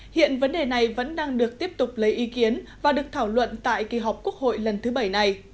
hiện vấn đề này vẫn đang được tiếp tục lấy ý kiến và được thảo luận tại kỳ họp quốc hội lần thứ bảy này